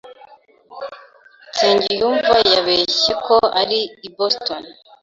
Nsengiyumva yabeshye ko ari i Boston.